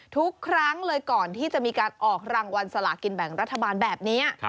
ทุกครั้งเลยก่อนที่จะมีการออกรางวัลสลากินแบ่งรัฐบาลแบบนี้